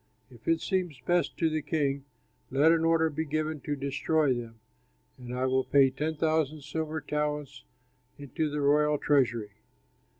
If it seems best to the king, let an order be given to destroy them, and I will pay ten thousand silver talents into the royal treasury."